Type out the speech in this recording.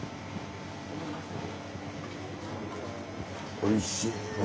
おいしい。